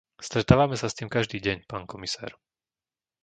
Stretávame sa s tým každý deň, pán komisár.